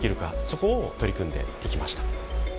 そこを取り組んで行きました。